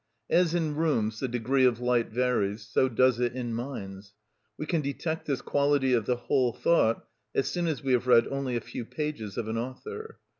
As in rooms the degree of light varies, so does it in minds. We can detect this quality of the whole thought as soon as we have read only a few pages of an author.